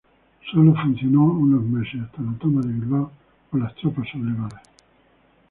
Sólo funcionó unos meses, hasta la toma de Bilbao por las tropas sublevadas.